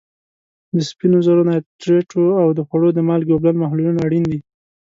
د سپینو زرو نایټریټو او د خوړو د مالګې اوبلن محلولونه اړین دي.